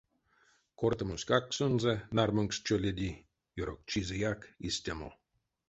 Кортамоськак сонзэ — нармунькс чоледи, ёрокчизэяк истямо.